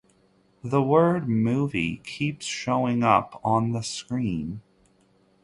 The word 'movie' keeps showing up on the screen.